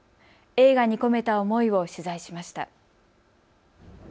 映画に込めた思いを取材しました。